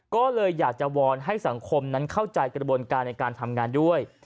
ก็เลยอยากจะวอนให้สังคมนั้นเข้าใจกระบวนการในการทำงานด้วย